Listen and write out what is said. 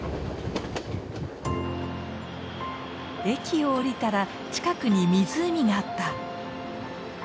駅を降りたら近くに湖があった。